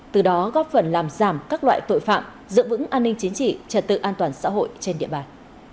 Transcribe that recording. từ đó góp phần làm giảm các loại tội phạm giữ vững an ninh chính trị trật tự an toàn xã hội trên địa bàn